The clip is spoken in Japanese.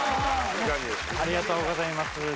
ありがとうございます。